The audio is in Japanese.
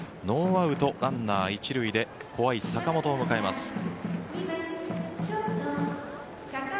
ノーアウトランナー１塁で怖い坂本を迎えます。